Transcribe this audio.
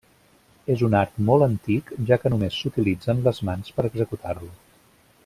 És un art molt antic, ja que només s'utilitzen les mans per executar-lo.